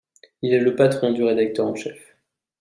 Il est le patron du rédacteur en chef.